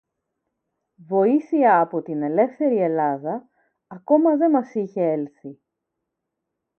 Βοήθεια από την ελεύθερη Ελλάδα, ακόμα δε μας είχε έλθει